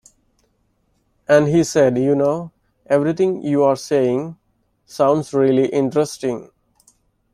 And he said, You know, everything you're saying sounds really interesting.